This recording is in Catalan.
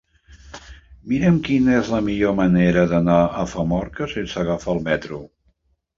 Mira'm quina és la millor manera d'anar a Famorca sense agafar el metro.